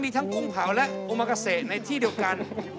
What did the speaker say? มีทั้งกุ้งเผาและอุมากาเซในที่เดียวกัน